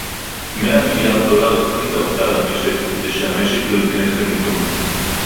מאה מיליארד דולר הכניס האוצר למשק כדי שהמשק לא ייכנס למיתון